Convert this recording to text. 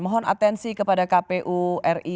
mohon atensi kepada kpu ri